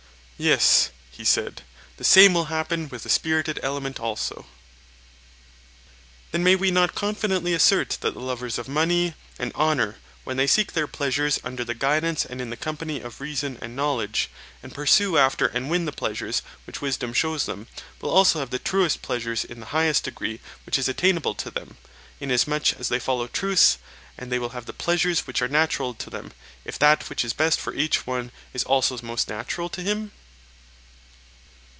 Yes, he said, the same will happen with the spirited element also. Then may we not confidently assert that the lovers of money and honour, when they seek their pleasures under the guidance and in the company of reason and knowledge, and pursue after and win the pleasures which wisdom shows them, will also have the truest pleasures in the highest degree which is attainable to them, inasmuch as they follow truth; and they will have the pleasures which are natural to them, if that which is best for each one is also most natural to him?